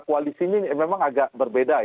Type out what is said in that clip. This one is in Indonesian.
koalisi ini memang agak berbeda